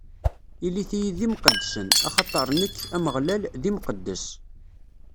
Ilit-iyi d imqeddsen, axaṭer nekk, Ameɣlal, d Imqeddes.